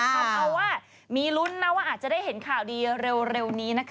ทำเอาว่ามีลุ้นนะว่าอาจจะได้เห็นข่าวดีเร็วนี้นะคะ